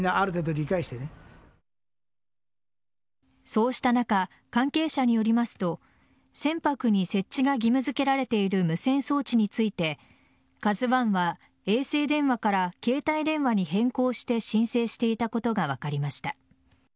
そうした中関係者によりますと船舶に設置が義務付けられている無線装置について「ＫＡＺＵ１」は衛星電話から携帯電話に変更して申請していたことが分かりました。